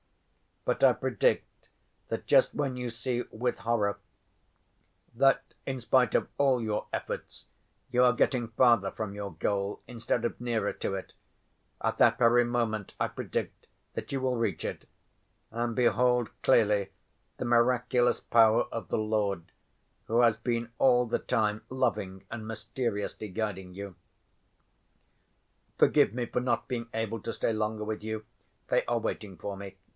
But I predict that just when you see with horror that in spite of all your efforts you are getting farther from your goal instead of nearer to it—at that very moment I predict that you will reach it and behold clearly the miraculous power of the Lord who has been all the time loving and mysteriously guiding you. Forgive me for not being able to stay longer with you. They are waiting for me.